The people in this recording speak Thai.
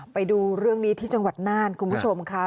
ไปดูเรื่องนี้ที่จังหวัดน่านคุณผู้ชมค่ะ